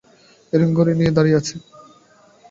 Haerin গাড়ি নিয়ে দাঁড়িয়ে আছে।